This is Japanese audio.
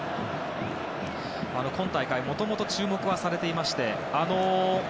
今大会、もともと注目はされていまして。